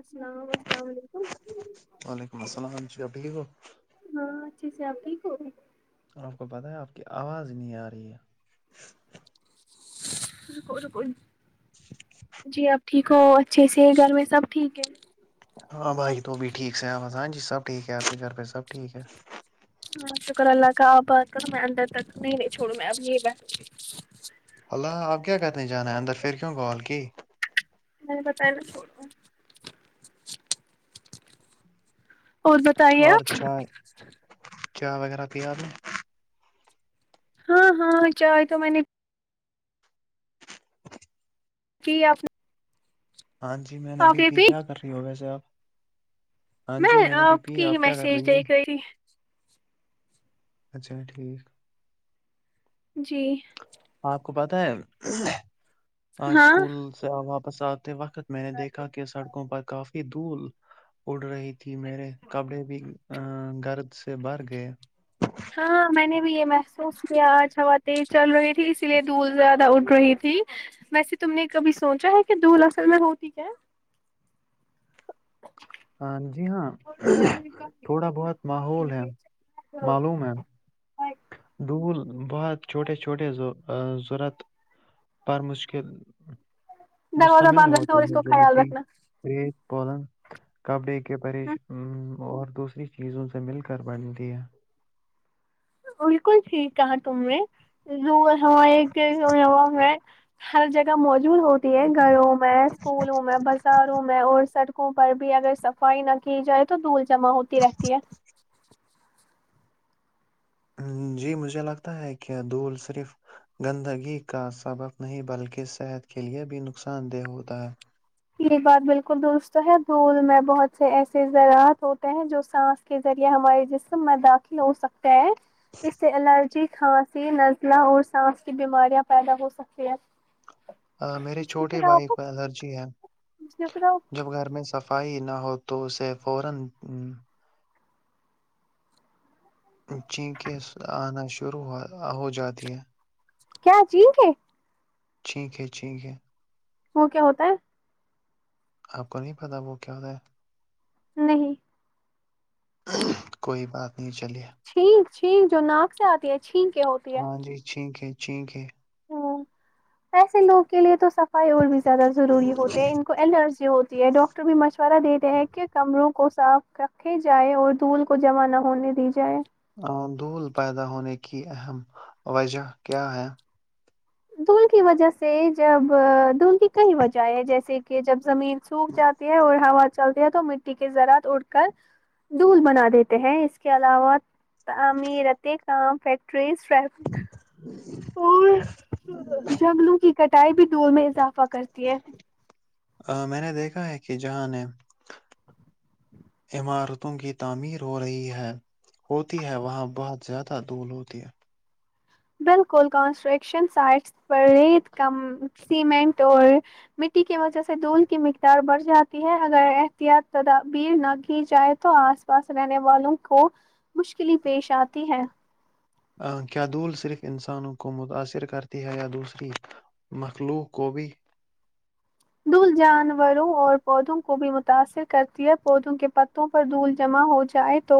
السلام السلام علیکم وعلیکم السلام جی ابھییک کو ہاں اچھے سے آپ د کو آپ کو پتا ہے آپ کی آواز ا نہیں آ رہی ہے بکک جی آپ ٹھیک کو اچھے سے گھر میں سب ٹھیک ہے ہاں بھائی توب بھی ٹھیک سحب ہاں جی سب ٹھیک ہے آپ پ سب ٹھیک ہے ہاں شکر اللہ کا آپ بات کروں میں اندر تک نہیں چھووں میں اب یہ ب بیٹھوں گی اللہ آپب کیا کرنے جان ہے اندر پھر کیوں کال کی میں نے بت اور بتائیے اور آپ چائے چائے وغیرہ پیا ل ہاں ہاں چائے تو میں نے ج آپ ہاں جی میں نے آپ ابھی بھیی پی کیا کر رہی ہو ویسے اپ ہاں جی میں نے پی پی کی ہی آپ کیا کر میسج رہی ہو دیکھ تھی اچھا ٹھیک جی آپ کو پتہ ہے ہاں اسکول سے واپس آتے وقت میں نے دیکھا کہ سڑکوں پر کافی دھول اڑ رہیھی تھی میرے کپڑے بھی گرد سے بر گئے ہاں میں نے بھی یہ محسوس کیاج ہوا تیز چل رہی تھی اسی لیے دھ زیادہ اٹ رہی تھی ویسے تم نے کبھی سوچا ہے کہ دھول اصل میں ہوتی کیا ہاں جی ہاں تھوڑا بہت ماحول ہے معلوم ہے دول بہت چھوٹے چھوٹے ورت پر مشکل دروازہ مشتمل بند رکھنا ہوتے اور اس ہیں کو جو خیال مٹی رکھنا رس پولنگ کبڈی کی پریش اور دوسری چیزوں سے مل کر بنتی ہے بالکل ٹھیک کہا تم نے ہمارے میں ہر جگہ موجود ہوتی ہے گھروں میں اسکولوں میں بازاروں میں اور سڑکوں پر بھی اگر صفائی نہ کی جائے تو دھول جمع ہوتی رہتی ہے جی مجھے لگتا ہے کہ دھول صرف گندگی کا سبق نہیں بلکہ صحت کے لیے بھی نقصان دہ ہوتا ہے یہ بات بالکل درست ہے دھول میں بہت سے ایسے زراعت ہوتے ہیں جو سانس کے ذریع ہمارے جسم میں داخل ہو سکتا ہے اس سے الرجی کھانسی ن لاہور سانس کی بیماریاں پیدا ہو سکتی ہیں میرے چھوٹے بھائی کو الرجی ہے ج پھر جب گھر میں صفائی نہ ہو تو اسے فورا چینک آنا شروع ہو ہو جاتی ہے کیا چین کے چھیھیک ہے چھیھیک ہے وہ کیا ہوتا ہے آپ کو نہیں پتا وہ کیا ہو رہ ہے نہیں کوئی بات نہیں چلیے چھینک چھینک جو ناک سے آتی ہے چھین کے ہوتی ہاں جی چھیک ہے چھیک ہے ہ ایسے لوگ کے لیے تو سب ائی اور بھی زیادہ ضروری ہوتے ہیں ان کو الرجی ہوتی ہے ڈٹر ڈاکٹر بھی مشورہ دیےتے ہیں کہ کمروں کو صاف رکھے جائے اور دھول کو جمع نہ ہونے دی جائے دھول پیدا ہونے کی اہم وجہ کیا ہے دھول کی وجہ سے جب دھول کی کئی وجہ اہ جیسے کہ جب زمین سوکھ جاتی ہے اور ہوا چلتی ہے تو مٹی کے زذراعت اڑ کر دول بنا دیتے ہیں اس کے علاوہ تعمیرت کام فیکٹریزٹ اور جنگلوں کی کٹائی بھی دور میں اضافہ کرتی ہے ا میں نے دیکھا ہے کہ جہاں نے عمارتوں کی تعمیر ہو رہی ہے ہوتی ہے وہاں بہت زیادہ دھول ہوتی ہے بالکل کنسٹرکشن سائٹس پر کم سیمنٹ اور مٹی کی وجہ سے دھول کی مقدار بڑھ جاتی اگر احتیاط تدابیر نہ کی جائے تو آس پاس رہنے والوں کو مشکل پیش آتی ہے کیا دول صرف انسانوں کو متاثر کرتی ہے یا دوسری مخلوق قوبی دول جانوروں اور پودوں کو بھی متاثر کرتی ہے پودوں کے پتوں پر دول جمع ہو جائے تو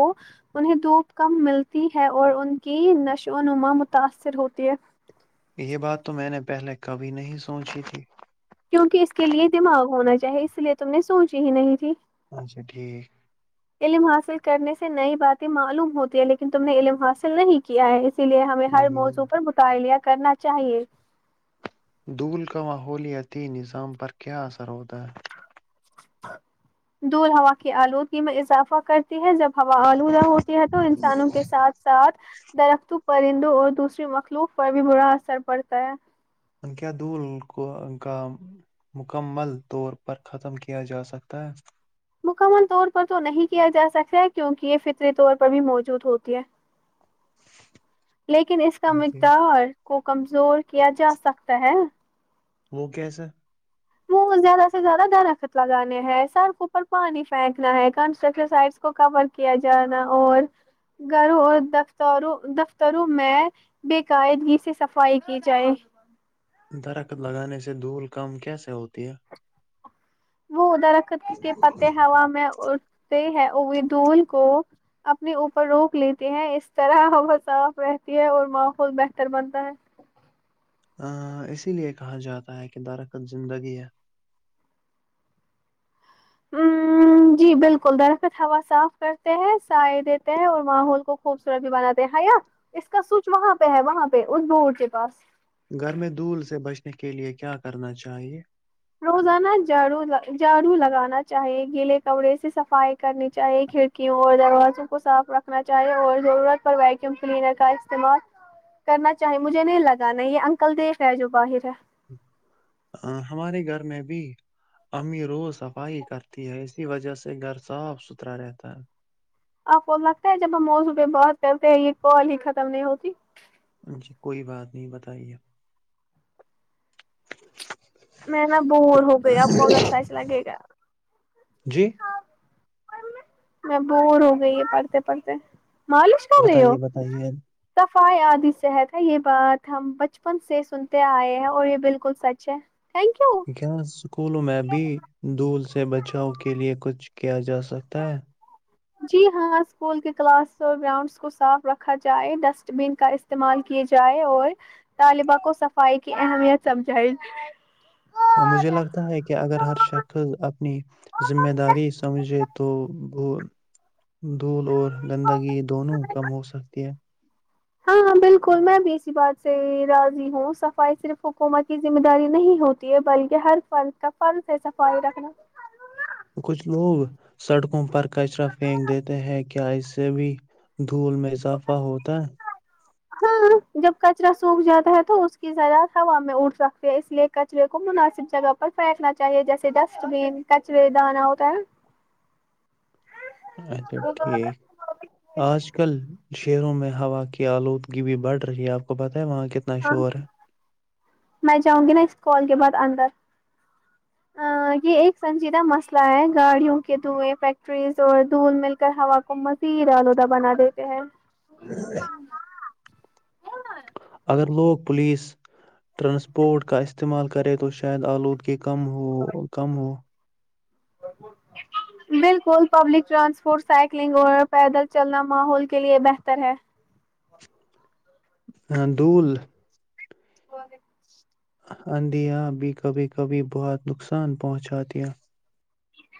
انہیں دھوپ کم ملتی ہے اور ان کی نشو و نما متاثر ہوتی ہے یہ بات تو میں نے پہلے کبھی نہیں سوچی تھی کیونکہ اس کے لیے دماغ ہونا چاہیے اس لیے تم نے سوچی ہی نہیں تھی اچھا ٹھیک علم حاصل کرنے سے نئی باتیں معلوم ہوتی ہے لیکن تم نے علم حاصل نہیں کیا ہے اسی لیے ہمیں ہر نہیں نہیں موضوع پر مطالعہ کرنا چاہیے دھول کا ماحولیاتی نظام پر کیا اثر ہوتا ہے دور ہوا کی آلودگی میں اضافہ کرتی ہے جب ہوالودا ہوتی ہے تو انسانوں کے ساتھ ساتھ درختوں پرندوں اور دوسرے مخلوق پر بھی برا اثر پڑتا ہے ان کیا دول کو کا مکمل طور پر ختم کیا جا سکتا ہے مکمل طور پر تو نہیں کیا جا سکتا ہے کیونکہ یہ فطری طور پر بھی موجود ہوتی ہے [inaudible] لیکن اس کا ہے جی مقدار کو کمزور کیا جا سکتا ہے وہ کیسا [unintelligible] وہ زیادہ سے زیادہ درخت لگانے ہیں سڑکوں پر پانی پھینکنا ہے کنسٹرکٹ سائڈس کو کور کیا جانا اور گھروں اور دفتروں دفتروں میں بے قاعدگی سے صفائی کی جائے درخت لگانے سے دھول کم کیسے ہوتی ہے وہ درخت کے پتے ہوا میں اٹھتے ہیں ای دول کو اپنے اوپر روک لیتی ہیں اس طرح وہ صاف رہتی ہے اور ماحول بہتر بنتا ہے اسی لیے کہا جاتا ہے کہ درخت زندگی ہے ہ [inaudible] جی بالکل درخت ہوا صاف کرتے ہیں سائے دیتے ہیں اور ماحول کو خوبصورت بھی بناتے ہیں یا اس کا سوچ وہاں پہ ہے وہاں پہ ا بور کے پاس گھر میں دول سے بچنے کے لیے کیا کرنا چاہیے روزانہ جھاڑو جھاڑو لگانا چاہی گیلے کپڑے سے صفائی کرنی چاہیے کھی کی اور دروازوں کو صاف رکھنا چاہیے اور ضرورت پر ویکیوم کلینر کا استعمال کرنا چاہیے مجھے نہیں لگا یہ انکل دیکھ رہا ہے جو باہر ہے ہمارے گھر میں بھی امی روز صفائی کرتی ہے اسی وجہ سے گھر صاف ستھرا رہتا ہے آپ کو لگتا ہے جب ہم موضوع پہ بات کرتے ہیں یہ کال ہی ختم نہیں ہوتی جی کوئی بات نہیں بتائیے [unintelligible] میں نا بور ہو گئی آپو اگرساچ لگے گا جی [unintelligible] میں بور ہو گئی ہ پڑھتے پڑھتے مالش کہ گئی ہو بتائیے بتائیے صفائی آدی صحت ہے یہ بات ہم بچپن سے سنتے آئے ہیں اور یہ بالکل سچ ہے تھینک یو کیا اسکولوں میں ابھی دول سے بچاؤ کے لیے کچھ کیا جا سکتا ہے جی ہاں اسکول کے کلاس اور گراؤنڈس کو صاف رکھا جائے ڈسٹ بین کا استعمال کیے جائے اور طالبہ کو صفائی کی اہمیت سمجھائے مجھے لگتا ہے کہ اگر ہر شخص اپنی ذمہ داری سمجھے تو وہ دھول اور گندگی دونوں کم ہو سکتی ہے ہاں ہاں بالکل میں بھی اسی بات سے راضی ہوں صفائی صرف حکومت کی ذمہ داری نہیں ہوتی بلکہ ہر فن کا فن سے صفائی رکھنا کچھ لوگ سڑکوں پر کچرا پھینک دیتے ہیں کیا اس سے بھی دھول میں اضافہ ہوتا ہاں جب کچرا سوکھ جاتا ہے تو اس کی ذراع ہوا میں اٹ سکتی ہے اس لیے کہ کچرے کو مناسب جگہ پر پھینکنا چاہیے جیسے ڈسٹ بین کچرے دانا ہوتا ہے اچھا ٹھیک آج کل شہروں میں ہوا کی آلودگی بھی بڑھ رہی ہے آپ کو بتائیں وہاں کت ہاں میں جاؤں گی نا اس کال کے بعد اندر یہ ایک سنجیدہ مسئلہ ہے گاڑیوں کے دھوئیں فیکٹریز اور دھول مل کر ہوا کو مزید آلودہ بنا دیتے ہیں ہ اگر لوگ پلیس ٹرانسپورٹ کا استعمال کرے تو شاید آلودگی کم ہو کم ہو جی بالکل پبلک ٹرانسپورٹ سائیکلنگ اور پیدل چلنا ماحول کے لیے بہتر ہے دوھل [inaudible] اندھیا بھی کبھی کبھی بہت نقصان پہنچاتی ہے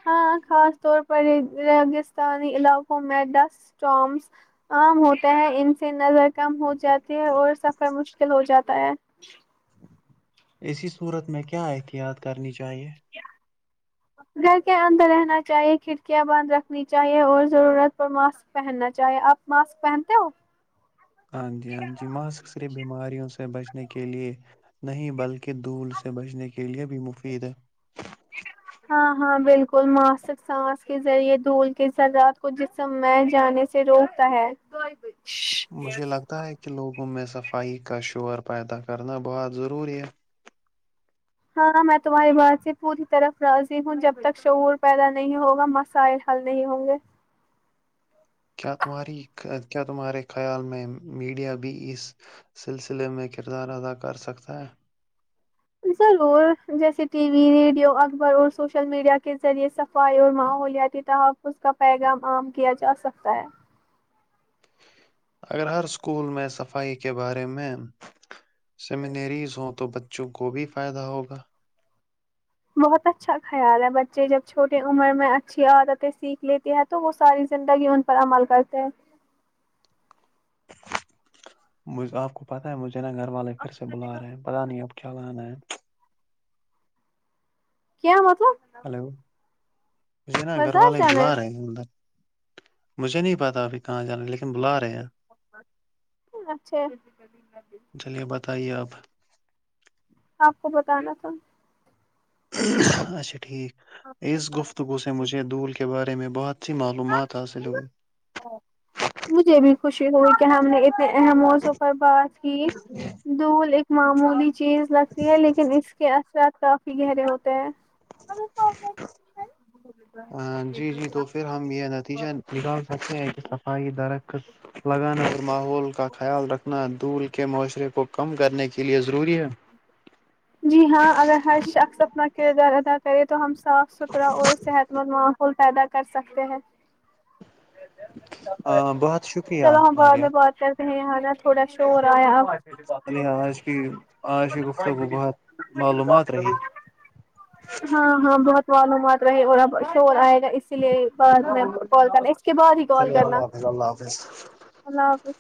ہاں خاص طور پر رگستانی علاقوں میں ڈسٹ سٹارمز عام ہوتا ہیں ان سے نظر کم ہو جاتی ہے اور سفر مشکل ہو جاتا ہے اسی صورت میں کیا احتیاط کرنی چاہیے گھر کے اندر رہنا چاہیے کھڑکیاں بند رکھنی چاہیے اور ضرورت پر ماسک پہننا چاہیں آپ ماسک پہنتے ہو ہاں جی ہاں جی ماسک صرف بیماریوں سے بچنے کے لیے نہیں بلکہ دھول سے بچنے کے لیے بھی مفید ہے ہاں ہاں بالکل ماسک سانس کے ذریعے دھول کے زرات کو جس سم میں جانے سے روکتا ہے مجھے لگتا ہے کہ لوگوں میں صفائی کا شعور پیدا کرنا بہت ضروری ہے ہاں میں تمہاری بات سے پوری طرف راضی ہوں جب تک شعور پیدا نہیں ہوگا مسائل ہل نہیں ہوں گے کیا تمہاری کیا تمہارے خیال میں میڈیا بھی اس سلسلے میں کردار ادا کر سکتا ہے ضرور جیسے ٹی وی ریڈیو اکبر اور سوشل میڈیا کے ذریعے صفائی اور ماحولیاتی تحفظ کا پیغام عام کیا جا سکتا ہے اگر ہر اسکول میں صفائی کے بارے میں سیمینریز ہوں تو بچوں کو بھی فائدہ ہوگا بہت اچھا خیال ہے بچے جب چھوٹے عمر میں اچھی عادتیں سیکھ لیتے ہیں تو وہ ساری زندگی ان پر عمل کرتے ہیں مجھے آپ کو پتہ ہے مجھے نا گھر والے پھر سے بلا رہے ہیں پتا نہیں اب کیا لانا ہے کیا مطلب ہلو مجھے نا گھر بازار والے جانا بلا رہے ہیں اندر مجھے نہیں پتا ابھی کہاں جانا ہے لیکن بلا رہے ہیں اچھا [unintelligible] چلیے بتائیے آپ آپ کو بتانا تھا اچھا ٹھیک اس گفتگو سے مجھے دھول کے بارے میں بہت سی معلومات حاصل ہوئی مجھے بھی خوشی ہوئی کہ ہم نے اہم موضع پر بات کی دھول ایک معمولی چیز لگتی ہے لیکن اس کے اثرات کافی گہرے ہوتے ہیں جی جی تو پھر ہم یہ نتیجہ نکال سکتے ہیں کہ صفائی درخت لگانا اور ماحول کا خیال رکھنا دھول کے معاشرے کو کم کرنے کے لیے ضروری ہے جی ہاں اگر ہر شخص اپنا کردار ادا کرے تو ہم صاف ستھرا اور صحت مند ماحول پیدا کر سکتے ہیں [unintelligible] بہت شکریہ چلو ہم بعد ماریہ میں بات کرتے ہیں نا تھوڑا شور آیا ا چلیے آج کی آج کی گفتگو بائی بہت ش بات معلومات رہی کرو ہاں ہاں بہت معلومات رہے اور اب شور آئے گا اسی لیے بول چلیے اللہ حافظ اللہ حافظ اللہ حافظ